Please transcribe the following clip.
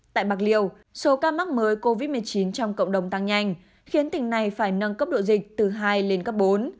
tại bạc liêu số ca mắc mới covid một mươi chín trong cộng đồng tăng nhanh khiến tỉnh này phải nâng cấp độ dịch từ hai lên cấp bốn